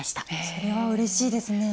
それはうれしいですね。